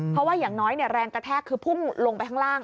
เพราะว่าอย่างน้อยแรงกระแทกคือพุ่งลงไปข้างล่าง